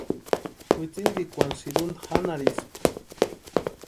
Wintsintikwani sïrunta janharhispka.